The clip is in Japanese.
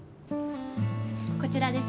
こちらです。